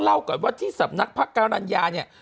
เล่าก่อนพระที่สำนักภะกาลัญญาเนี่ย